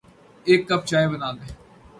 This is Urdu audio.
ایک کپ چائے بنادیں